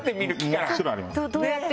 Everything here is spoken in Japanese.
どうやって？